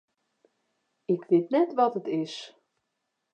Ik wit net wat it is.